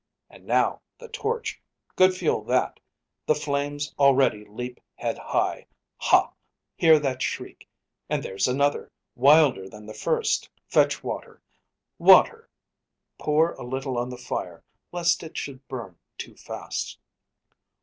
And now the torch! Good fuel that! the flames Already leap head high. Ha! hear that shriek! And there's another! wilder than the first. Fetch water! Water! Pour a little on The fire, lest it should burn too fast.